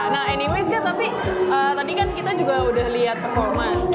nah anyway kak tapi tadi kita kan juga udah liat performance